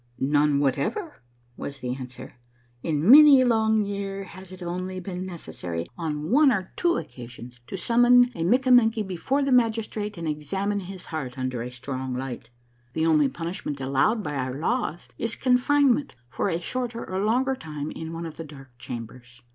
" None whatever," was the answer. " In many a long year has it only been necessary on one or two occasions to summon a Mikkamenky before the magistrate and examine his heart under a strong light. The only punishment allowed by our laws is confinement for a shorter or longer time in one of the dark chambers.